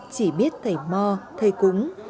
chỉ biết thầy mò thầy cúng